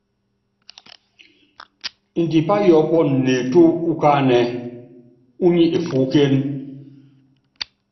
Ndipá yɔɔ́pɔnɔ neetú ukáánɛ́, únyi efuúkéne.